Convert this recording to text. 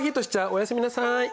おやすみなさい。